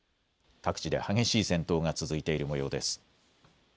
各地で激しい戦闘が続いているもようです。